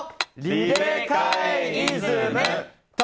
リレカエイズム。